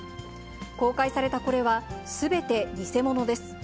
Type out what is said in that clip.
公開されたこれは、すべて偽物です。